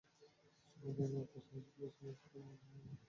সাংবাদিকতাকে পেশা হিসেবে বেছে নিয়েছেন এবং তাকে অবলম্বন করেই জীবনধারণ করছেন।